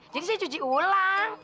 jadi saya cuci ulang